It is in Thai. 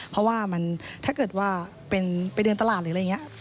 เพราะว่ามันถ้าเกิดว่าเป็นไปเดินตลาดหรืออะไรอย่างนี้